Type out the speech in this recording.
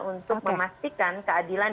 untuk memastikan keadilan